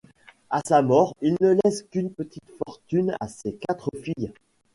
À sa mort, il ne laisse qu'une petite fortune à ses quatre filles.